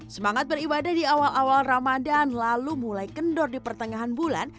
semangat beribadah di awal awal ramadan lalu mulai kendor di pertengahan bulan